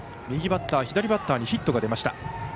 右バッター、左バッターにヒットが出ました。